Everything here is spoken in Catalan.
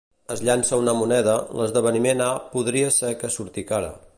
Es llança una moneda, l'esdeveniment A podria ser que surti cara